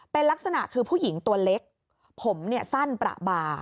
เป็นลักษณะคือผู้หญิงตัวเล็กผมเนี่ยสั้นประบา